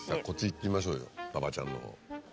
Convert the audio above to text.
こっちいってみましょうよ馬場ちゃんの。